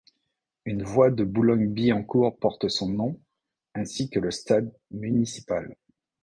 Une voie de Boulogne-Billancourt porte son nom, ainsi que le stade municipal.